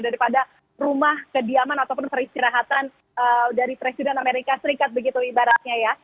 daripada rumah kediaman ataupun peristirahatan dari presiden amerika serikat begitu ibaratnya ya